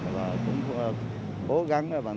và cũng cố gắng và mong